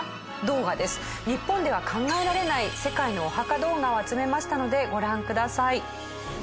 日本では考えられない世界のお墓動画を集めましたのでご覧ください。